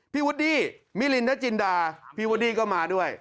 วูดดี้มิลินทจินดาพี่วูดดี้ก็มาด้วย